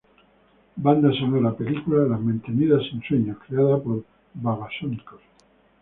Banda sonora película "Las mantenidas sin sueños' creada por Babasónicos.